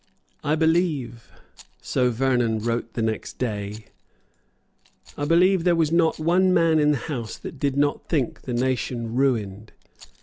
"I believe," so Vernon wrote the next day, "I believe there was not one man in the House that did not think the nation ruined."